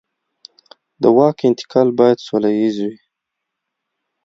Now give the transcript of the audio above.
د واک انتقال باید سوله ییز وي